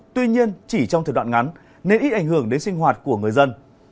tuy nhiên chỉ trong thời đoạn ngắn nên ít ảnh hưởng đến sinh hoạt của người dân